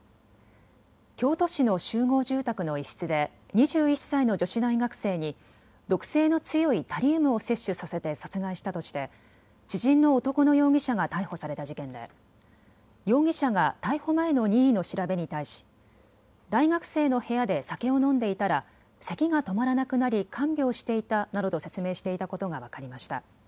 京都市の集合住宅の一室で２１歳の女子大学生に毒性の強いタリウムを摂取させて殺害したとして知人の男の容疑者が逮捕された事件で容疑者が逮捕前の任意の調べに対し、大学生の部屋で酒を飲んでいたらせきが止まらなくなり看病していたなどと説明していたことが分かりました。